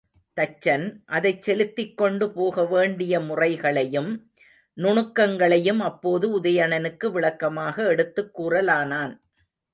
தச்சன், அதைச் செலுத்திக்கொண்டு போகவேண்டிய முறைகளையும், நுணுக்கங்களையும் அப்போது உதயணனுக்கு விளக்கமாக எடுத்துக் கூறலானான்.